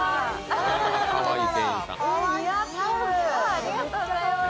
ありがとうございます。